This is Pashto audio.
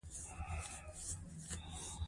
په سنن ترمذي، طبراني وغيره کي